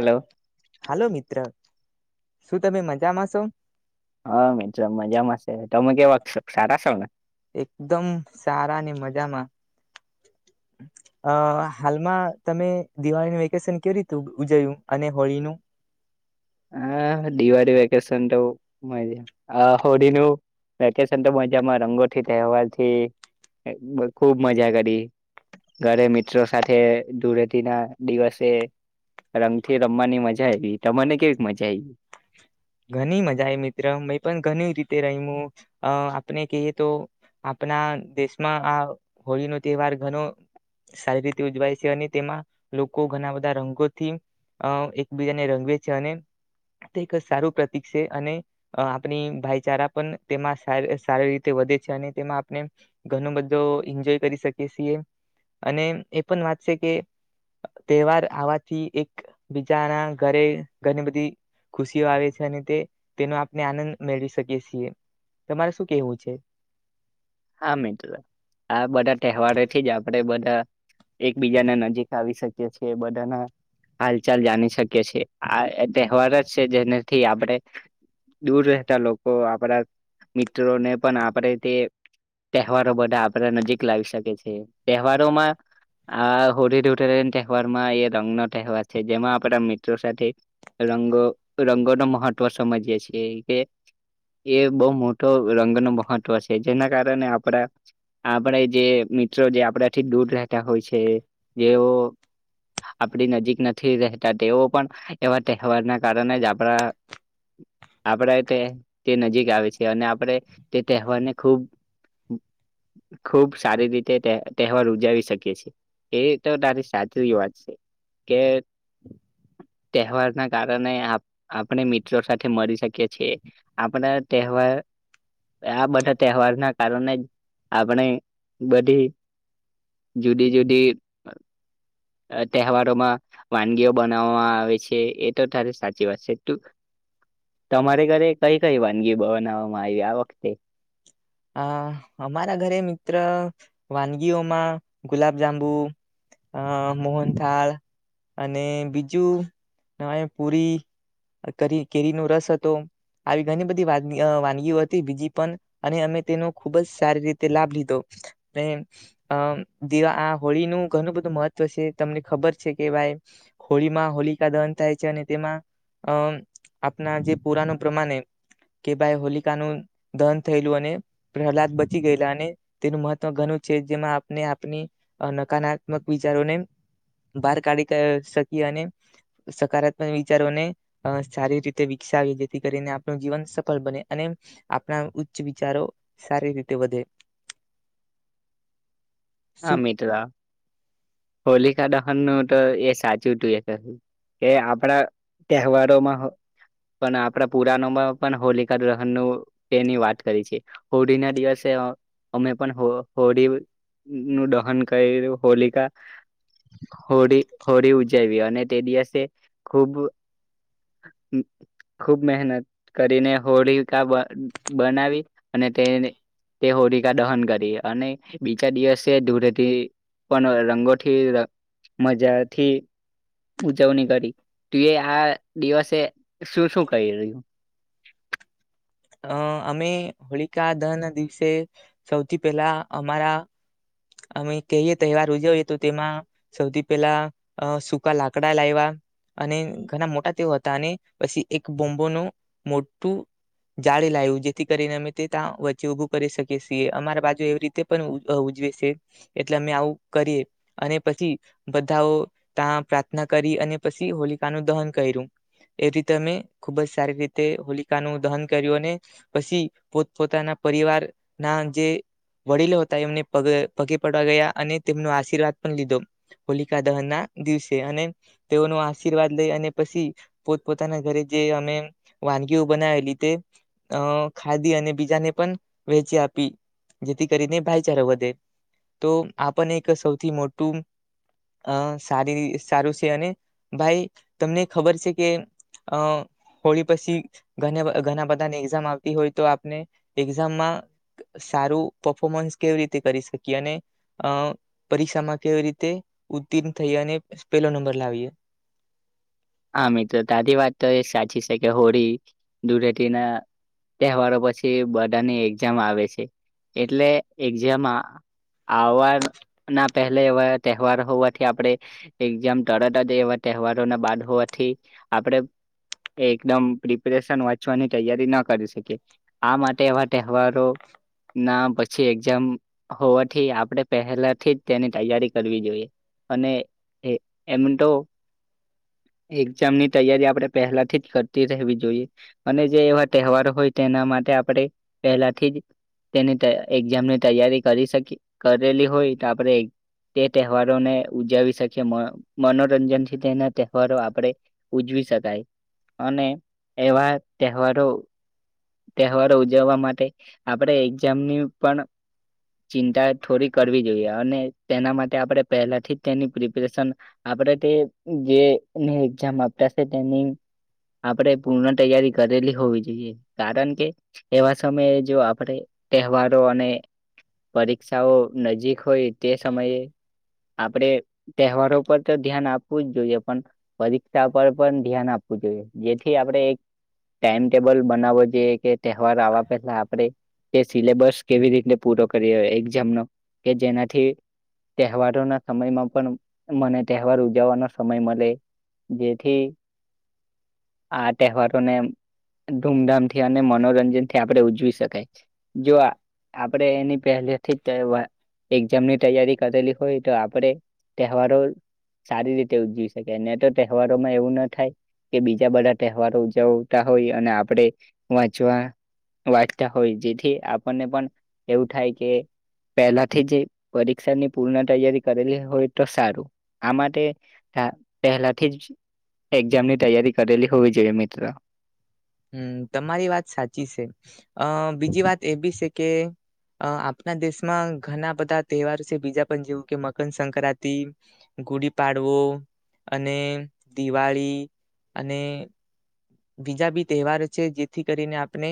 હાલો, hello મિત્ર. શું તમે મજામાં છો? હા મિત્ર મજામાંસે તમે કેવાકસોં સારા શોને? એકદમ સારા ને મજામાં, અ હાલમાં તમે દિવાળીનું વેકેશન કેવી રીત ઉજયવું અને હોળીનું. હ દિવાળી વેકેશન તો મજા અ હોળીનું વેકેશન તો મજામાં રંગોથી તહેવારથી અ ખ ખૂબ મજા કરી ઘરે મિત્રો સાથે ધૂળેટીનાં દિવસે રંગથી રમવાની મજા આયવી. તમને કે [inaudible] ઘણી મજાય મિત્ર મેં પણ ઘણી રીતે રયમુ અ આપણે કીએ તો આપણા દેશમાં આ હોળીનો તહેવાર ઘણો સારી રીતે ઉજવાય છે અને તેમાં લોકો ઘણાં બધાં રંગોથી અ એકબીજાને રંગવે છે અને તે સારું પ્રતિક છે અને આપણી ભાઈચારા પણ તેમાં સારી રીતે વધે છે અને તેમાં આપણે ઘણો બધો એન્જોય કરી શકીએ છીએ અને એ પણ વાત છે કે તહેવાર આવાથી એક બી બધાનાં ઘરે ઘરની બધી ખુશીઓ આવે તેને તે તેનો આપણે આનંદ મેળવી શકીએ છીએ તમારે શું કેહવું છે? હા મિત્ર, આ બધાં તહેવારોથી જ આપડે બ એકબીજાને નજીક આવી શકીએ છીએ બધાનાં હાલચાલ જાણી શકીએ છીએ આ તહેવાર જ છે જેનાથી આપણે દૂર રહેતા લોકો આપણા મિત્રોને પણ આપણે તે તહેવારો બધાં આપડા નજીક લાવી શકે છે તહેવારોમાં આ હોળી, ધુળેટી તહેવારમાં એ રંગનો તહેવાર છે જેમાં આપડા મિત્રો સાથે રંગો રંગોનો મહત્વ સમજીયે છીએ કે એ બહુ મોટો રંગનો મહત્વ છે. જેના કારણે આપડા આપણે જે મિત્રો જે આપણાંથી દૂર રહેતા હોય છે જેઓ આપડી નજીક નથી રહેતા તેઓ પણ એવા તહેવારનાં કારણે જ આપરા આપરે તે તે નજીક આવે છે અને આપરે તે તહેવારને [inaudible] ખૂબ સારી રીતે તહેવાર ઉજાવી શકીયે છે. એ તો તારી સાચી વાત છે કે તહેવારના કારણે આપણે મિત્રો સાથે મળી શકીએ છીએ આપણાં તહેવાર આ બધાં તહેવારનાં કારણે જ આપણે બધી જુદી જુદી તહેવારોમાં વાનગીઓ બનાવવામાં આવે છે એ તો તારી સાચી વાત છે. તમારે ઘરે કઈ કઈ વાનગી બનાવવામાં આયવી આ વખતે? એ. આ અમારા ઘરે મિત્ર વાનગીઓમાં ગુલાબજાંબુ અ મોહનથાળ અને બીજું પૂરી કરી કેરીનો રસ હતો આવી ઘણી બ વાન અ વાનગીઓ હતી બીજી પણ અને અમે તેનો ખુબ જ સારી રીતે લાભ લીધો અને અ દીવા આ હોળીનુ ઘણું બધું મહત્વ છે તમને ખબર છે કે ભાઈ હોળીમાં હોળી દહન થાય છે અને તેમાં અ આપણા જે પુરાણ પ્રમાણે કે ભાઈ હોલિકાનુ દહન થયેલું અને હલાત બચી ગયલા અને તેનું મહવ ઘણું છે જેમાં આપણે આપની નકારાત્મક વિચારોને બહાર કાઢી શકીયે અને સકારાત્મક વિચારોને સારી રીતે વિકસાવે જેથી કરીને આપણું જીવન સફળ બને અને આપણા ઉચ્ચ વિચારો સારી રીતે વધે હા શું મિત્ર હોલિકા દહન નો તો એ સાચું હતું એ કે આપડા તહેવારોમાં પણ આપણા પુરાણમાં પણ હોલિકા દ્રહણ તેની વાત કરી છે હોળી ના દિવસે અમે પણ હોળી નું દહન કર્યું હોલિકા હોળી હોળી ઉજાવી અને તે દિવસ ખુબ-ખુબ મહેનત કરીને હોળિકા બનાવી અને તે તે હોળિકા દહન કરી અને [unintelligible] દિવસે દૂર હતી પણ રંગોથી મજાથી ઉજવણી કરી તું એ આ દિવસે શું શું કરી રહ્યું? અ અમે હોળિકા દહન ના દિવસે સૌથી પહેલા અમારા અમે કહીએ તહેવાર ઉજવીએ તો તેમાં સૌથી પહેલા સૂકા લાકડા લાઇવા અને ઘણા મોટા તેઓ હતા અને પછી એક બોમ્બોનું મોટું [unintelligible] જેથી કરીને અમે ત્યાં વચ્ચે ઊભું કરી શકીએ છીએ અમારા બાજુ એવી રીતે પણ ઉજવે છે એટલે અમે આવું કરીએ અને પછી બધાઓ ત્યા પ્રાર્થના કરી અને પછી હોલિકાનુ દહન કર્યું એવી રીતે અમે ખુબ જ સારી રીતે હોલિકાનુ દહન કર્યો અને પછી પોત પોતાના પરિવાર ના જે વડીલો હતા એમને પગે પડવા ગયા અને તેમનો આશીર્વાદ પણ લીધો હોલિકા દહન ના દિવસે અને તેઓનો આશીર્વાદ લઈ અને પછી પોત પોોતાના ઘરે જે અમે વાનગીઓ બનાવી દીધે [unintelligible] ખાધી અને બીજાને પણ વેચી આપી જેથી કરીને ભાઈચારો વધે તો આપને એક સૌથી મોટું અ સારી સારું છે અને ભાઈ તમને ખબર છે કે અ હોળી પછી ઘ ઘણા બધા [unintelligible] આવતી હોય તો આપણે એક્ષામ માં સારું પફોમસ કેવી રીતે કરી શકીએ અને પરીક્ષામાં કેવી રીતે ઉતીર્ણ થઈ અને પેલો નંબર લાવીએ. હા મિત્રો તાજી વાત તો એ સાચી છે કે હોળી ધૂળટી ના તહેવારો પછી બધાની એક્ઝામ આવે છે એટલે એક્ઝામ આવવા ના પહેલા એવા તહેવાર હોવાથી આપે એઝામ તરત જ એવા તહેવારોના બાદ વથી આપડે એકદમ પ્રિપરેશન વાચવાની તૈયારી ના કરી શકીએ આ માટેવા તહેવારો ના પછી એક્ઝામ હોવાથી આપણે પહેલાથી જ તેની તૈયારી કરવી જોઈએ અને એમ તો એક્ઝામ ની તૈયારી આપડે પહેલા થી જ કરતી રહેવી જોઈએ અને જે એવા તહેવારો હોય તેના માટે આપણે પહેલાથી જ તેની એક્ઝામ ની તૈયારી કરી શકી કરેલી હોય તો આપડે તે તહેવારોને ઉજાવી શકીએ મનોરંજનથી તેના તહેવારો ઉજવી શકાય અને એવા તહેવારો તહેવાર ઉજવવા માટે આપણે એક્ઝામની પણ ચિંતા એ થોડી કરવી જોઈએ અને તેના માટે આપણે પહેલાથી તેની પ્રિપ્રેશન આપણે પૂર્ણ તૈયારી કરેલી હોવી જોઈએ કારણ કે એવા સમયે જો આપણે તહેવારો અને પરીક્ષાઓ નજીક હોય તે સમયે આપણે તહેવારો પર તો ધ્યાન આપવું જ જોઈએ પણ પરીક્ષા પર પણ ધ્યાન આપ જો જેથી આપડણે એક ટાઈમટેબલ બનાવએ [unintelligible] આવા પહેલા આપણે તે સિલેબસ કેવી રીતે પૂરો કરીએ એઝામ ન કે જેનાથી તહેવારોના સમયમાં પણ મને તહેવાર ઉજવવાનો સમય મળે જેથી આ તહેવારોને ધૂમધામથી અને મનોરંજન થી આપડે ઉજવી શકાય. જોવા આપડે એની પેલે [unintelligible] એક્ઝામ ની તૈયારી કરેલી હોય તો આપણે તહેવારો સારી રીતે ઉજવી શકીએ ન તો તહેવારોમાં એવું ના થાય કે બીજા બધા તહેવારો ઉજવતા હોય અને આપડે વાંચવા વાટતા હોય જેથી આપણને પણ એવું થાય કે પહેલાથી જે પરીક્ષાની પૂર્ણ તૈયારી કરેલી હોય તો સારું આ માટે પહેલાથી જ એક્ઝામ ની તૈયારી કરેલી. હોવે જે મિત્ર. હમ્મ તમારી વાત સાચી છે. અ બીજી વાત એ બી છે કે આપણા દેશમાં ઘણા બધા તહેવારો છે બીજા પણ જેવું કે મકરસક્રાંતિ ગુડી પાડવો અને દિવાળી અને બીજા બી તહેવારો છે જેથી કરીને આપણે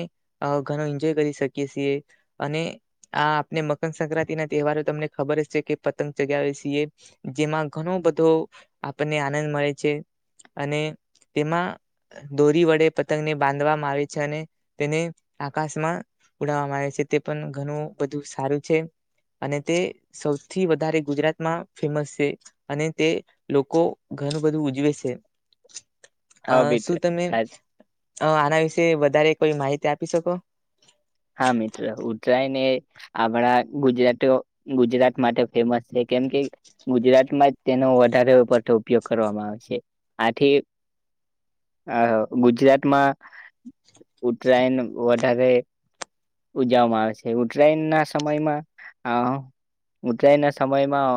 ઘણો એન્જોય કરી શકીએ છીએ અને આ આપણે મકરસક્રાંતિ ના તહેવારો તમને ખબર છે કે પતંગ ચગાવે છીએ જેમાં ઘણો બધો આપણને આનંદ મળે છે અને તેમાં દોરી વડે પતંગને બાંધવામાં આવે છે અને તેને આકાશમાં ઉડાવવામાં આવે છે તે પણ ઘણું બધું સારું છે અને તે સૌથી વધારે ગુજરાતમાં ફેમસ છે અને તે લોકો ઘણું બધું ઉજવે છે. અ હા મિત્ર શું તમે? તમે તા આના વિશે વધારે કોઈ માહિતી આપી શકો. હા મિત્ર ઉત્તરાયણ એ આપણા ગુજરાતીઓ ગુજરાત માટે ફેમસ છે કેમ કે ગુજરાતમાં જ તેનો વધારે પ ઉપયોગ કરવામાં આવે છે આથી અ ગુજરાતમાં ઉત્તરાયણ વધારે ઉજવવામાં આવે છે ઉત્તરાયણ ના સમયમાં અ ઉત્તરાયણ ના સમયમાં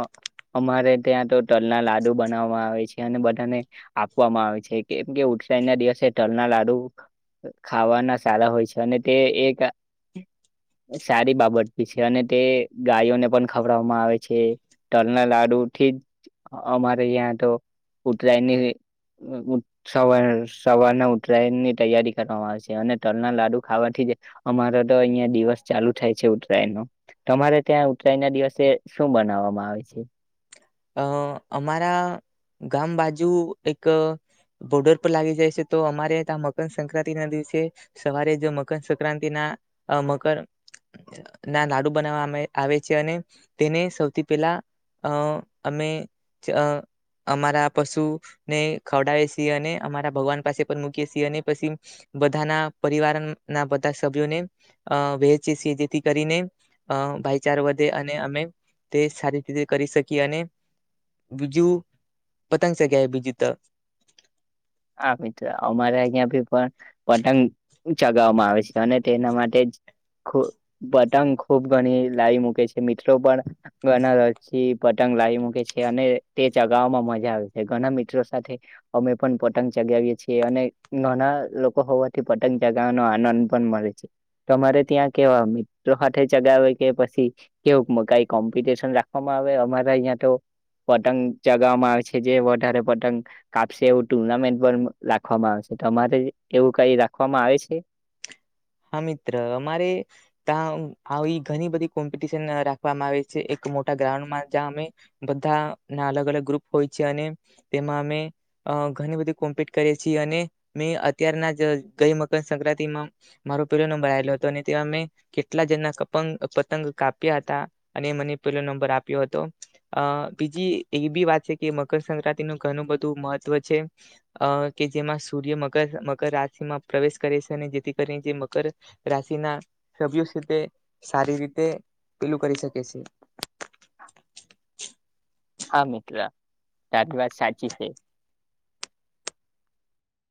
અમારે ત્યાં તો તલના લાડુ બનાવવા આવે છે. બધાને બધાને આપવામાં આવે છે કેમ કે ઉતરાયણના દિવસે તલના લાડુ ખાવાના સારા હોય છે અને તે એક હમ્મ. સારી બાબતી છે અને તે ગાયોને પણ ખવડવામાં આવે છે તલના લાડુ થી અમારે યહાં ત્યાં તો ઉતરાયની હહ. સવાર સવારના ઉત્તરાયણ ની તૈયારી કરવામાં આવે છે અને તલના લાડુ ખાવાથી અમારો તો અહિયાં દિવસ ચાલુ થાય છે ઉત્તરાયનો તમારે ત્યાં ઉત્તરાય ના દિવસે શું બનાવો? ભાવે છે. અ અમારા ગામ બાજુ એક બોર્ડર પર લાગી જાય છે તો અમારે ત્યા મકરસક્રાંતિ ના દિવસે સવારે જો મકરસક્રાંતિ ના મકર ના લાડુ બનાવવા આવે છે અને તેને સૌથી પેલા અ અમે અ અમારા પશુને ખવડાવે છીએ અને અમારા ભગવાન પાસે પણ મૂકીએ છીએ અને પછી બધાના પરિવાર ના બધા સભ્યોને અ વહેચી છીએ જેથી કરીને અ ભાઈચારો વધે અને અમે તે સારી રીતે કરી શકીએ અને બીજું પતંગ સગ્યા બીજું ત હા મિત્ર અમારે અહ્યાં ભી પણ પતંગ ચગાવવામાં આવે છે અને તેના માટે જ પતંગ ખૂબ ઘણી લાવી મૂકે છે મિત્રો પણ ગના રચી પતંગ લાવી મૂકે છે અને તે ચગાવવામાં મજા આવે છે ઘણા મિત્રો સાથે અમે પણ પતં પતંગ ચગાવીએ છીએ અને નાના લોકો હોવાથી પતંગ ચગાવવાનો આનંદ પણ મળે છે તમારે ત્યાં કેવા મિત્રો હાથે ચગાવે કે પછી કેવું કઈ કોમ્પિટશન રાખવામાં આવે અમારા અહીં તો પતંગ ચગાવામાં આવે છે જે તારો પતંગ કાપશે ઉડ ટુર્નામેન્ટ પણ રાખવામાં આવે છે. તમારે એવું કઈ રાખવામાં આવે છે? હા મિત્ર અમારે તા આવી ઘણી બધી કોમ્પિટશન રાખવામાં આવે છે એક મોટા ગ્રાઉન્ડમાં જ્યાં અમે બધા ના અલગ-અલગ ગ્રુપ હોય છે અને તેમાં અમે ઘણી બધી કોમ્પિટ કરીએ છીએ અને મે અત્યારના જ ગઈ મકર સંક્રાંતિમાં મારો પેલો નંબર આવેલો હતો અને તેમાં મેં કેટલા જણાના કપંગ પતંગ કાપ્યા હતા અને મને પેલો નંબર આપ્યો હતો. અ બીજી એ બી વાત છે. કે મકરસક્રાંતિનું ઘણું બધું મહત્વ છે અ્ કે જેમાં સૂર્ય મકર મકર રાશિમાં પ્રવેશ કરે છે અને જેથી કરીને જે મકર રાશિના સભ્યો છે તે સારી રીતે પેલું કરી શકે છે. હા મિત્ર. તારી વાત સાચી છે.